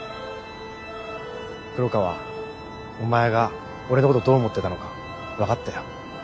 黒川お前が俺のことどう思ってたのか分かったよ。